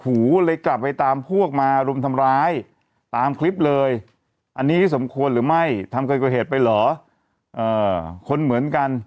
ก็เลยกลับไปตามพวกมาแล้วก็รุมนะครับ